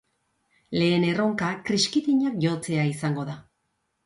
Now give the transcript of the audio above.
Lehen erronka kriskitinak jotzea izango da.